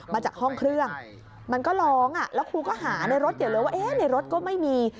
มาจากห้องเครื่องมันก็ร้องแล้วครูก็หาในรถใหญ่เลยว่าในรถก็ไม่มี